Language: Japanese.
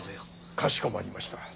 かしこまりました。